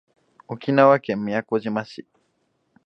沖縄県宮古島市